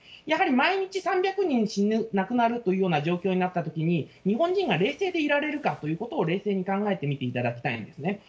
やはり毎日３００人亡くなるというような状況になったときに、日本人が冷静でいられるかということを、冷静に考えてみていただきたいんですね。